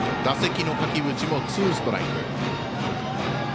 打席の垣淵もツーストライク。